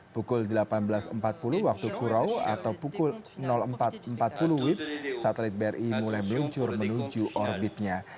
pukul delapan belas empat puluh waktu kurau atau pukul empat empat puluh wib satelit bri mulai meluncur menuju orbitnya